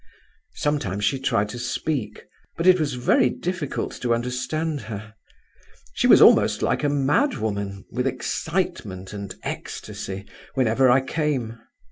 Sometimes she tried to speak; but it was very difficult to understand her. She was almost like a madwoman, with excitement and ecstasy, whenever I came.